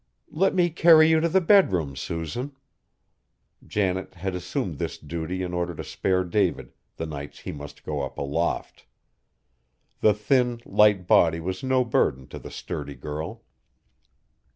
"Let me carry you to the bedroom, Susan." Janet had assumed this duty in order to spare David, the nights he must go up aloft. The thin, light body was no burden to the sturdy girl.